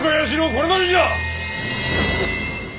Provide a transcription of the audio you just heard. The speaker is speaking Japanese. これまでじゃ！